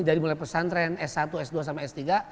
dari mulai pesantren s satu s dua sama s tiga